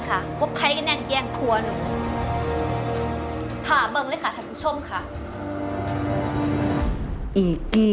สามารถรับชมได้ทุกวัย